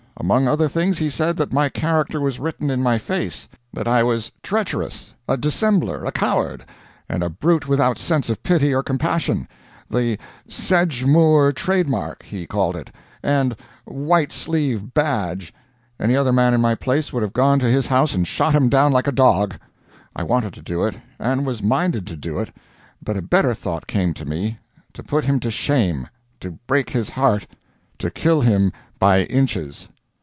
Among other things he said that my character was written in my face; that I was treacherous, a dissembler, a coward, and a brute without sense of pity or compassion: the 'Sedgemoor trade mark,' he called it and 'white sleeve badge.' Any other man in my place would have gone to his house and shot him down like a dog. I wanted to do it, and was minded to do it, but a better thought came to me: to put him to shame; to break his heart; to kill him by inches.